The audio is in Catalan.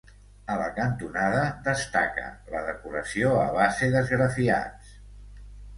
A la cantonada destaca la decoració a base d'esgrafiats.